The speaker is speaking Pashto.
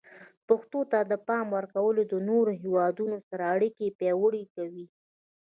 پښتو ته د پام ورکول د نورو هیوادونو سره اړیکې پیاوړي کوي.